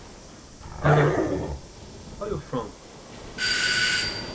A igualdade de gênero é um objetivo a ser alcançado.